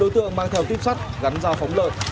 tám mươi đối tượng mang theo tiếp sắt gắn ra phóng lợn